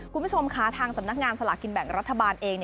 คุณผู้ชมค่ะทางสำนักงานสลากินแบ่งรัฐบาลเอง